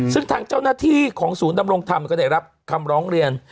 ซึ่งทางเจ้าหน้าที่ของศูนย์ดำรงธรรมก็ได้รับคำร้องเรียน